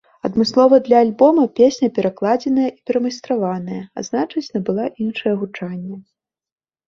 Адмыслова для альбома песня перакладзеная і перамайстраваная, а значыць набыла іншае гучанне.